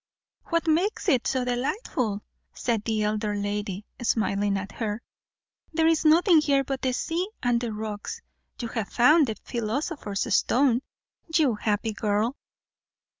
"What makes it so delightful?" said the elder lady, smiling at her. "There is nothing here but the sea and the rocks. You have found the philosopher's stone, you happy girl!"